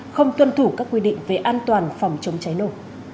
không tuân thủ các quy định về an toàn phòng chống cháy nổ